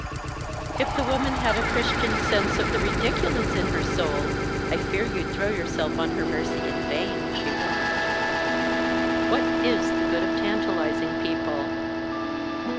"If the woman had a Christian sense of the ridiculous in her soul, I fear you'd throw yourself on her mercy in vain," she warned. "What is the good of tantalizing people?"